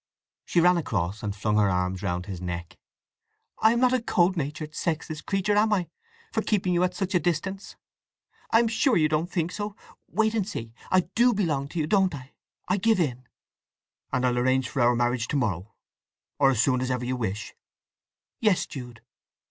She ran across and flung her arms round his neck. "I am not a cold natured, sexless creature, am I, for keeping you at such a distance? I am sure you don't think so! Wait and see! I do belong to you, don't I? I give in!" "And I'll arrange for our marriage to morrow, or as soon as ever you wish." "Yes, Jude."